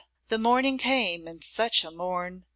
the morning came, and such a morn!